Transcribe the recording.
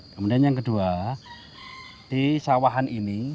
kemudian yang kedua di sawahan ini